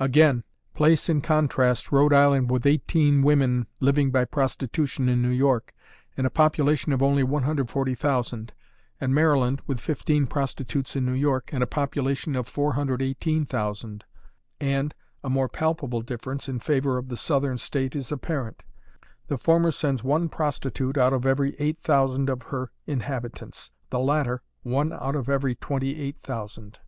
Again: Place in contrast Rhode Island with eighteen women living by prostitution in New York, and a population of only 140,000, and Maryland with fifteen prostitutes in New York, and a population of 418,000, and a more palpable difference in favor of the southern state is apparent. The former sends one prostitute out of every eight thousand of her inhabitants; the latter, one out of every twenty eight thousand.